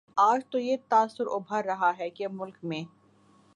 آج تو یہ تاثر ابھر رہا ہے کہ ملک میں